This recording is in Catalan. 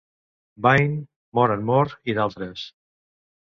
Vain", "More and More" i d"altres.